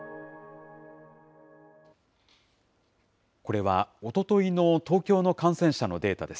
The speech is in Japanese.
これはおとといの東京の感染者のデータです。